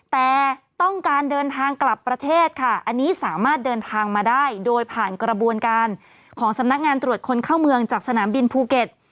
แต่ต้องการเดินทางกลับประเทศค่ะอันนี้สามารถเดินทางมาได้โดยผ่านกระบวนการของสำนักงานตรวจคนเข้าเมืองจากสนามบินภูเก็ต